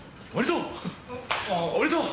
おめでとう！